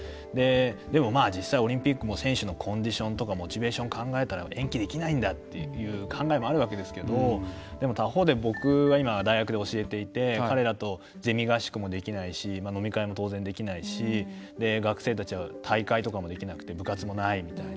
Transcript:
でも実際、オリンピックも選手のコンディションとかモチベーションを考えたら延期できないんだという考えもあるわけですけど他方で僕は今、大学で教えていて彼らとゼミ合宿もできないし飲み会も当然、できないし学生たちは大会とかもできなくて部活もないみたいな。